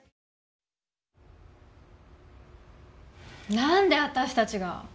なんで私たちが？